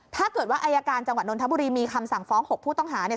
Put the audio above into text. ถ้าเกิดว่าอายการจังหวัดนทบุรีมีคำสั่งฟ้อง๖ผู้ต้องหาเนี่ย